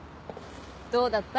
どうだった？